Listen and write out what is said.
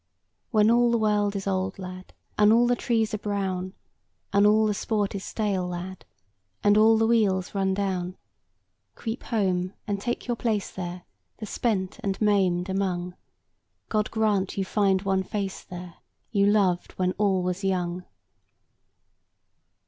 When all the world is old, lad, And all the trees are brown; And all the sport is stale, lad, And all the wheels run down; Creep home, and take your place there, The spent and maimed among: God grant you find one face there, You loved when all was young.